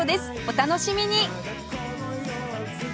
お楽しみに！